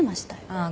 ああ。